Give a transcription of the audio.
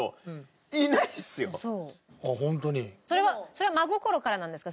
それは真心からなんですか？